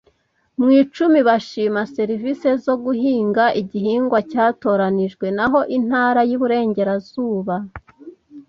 mu icumi bashima serivisi zo guhinga igihingwa cyatoranijwe naho intara y Iburengerazuba